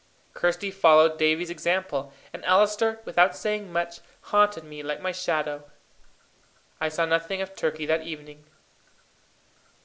Kirsty followed Davie's example, and Allister, without saying much, haunted me like my shadow. I saw nothing of Turkey that evening.